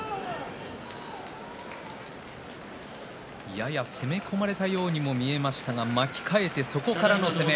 やや攻め込まれたようにも見えましたが巻き替えて、そこからの攻め。